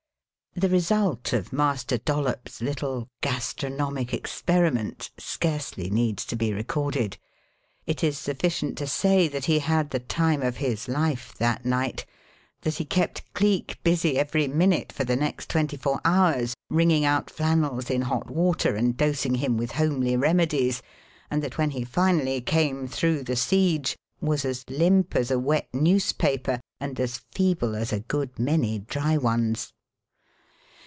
The result of Master Dollops' little gastronomic experiment scarcely needs to be recorded. It is sufficient to say that he had the time of his life that night; that he kept Cleek busy every minute for the next twenty four hours wringing out flannels in hot water and dosing him with homely remedies, and that when he finally came through the siege was as limp as a wet newspaper and as feeble as a good many dry ones.